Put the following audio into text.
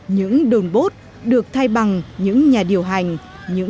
những đồn bốt được thay bằng những nhà điều hành